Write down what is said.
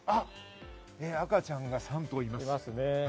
赤ちゃんが３頭います。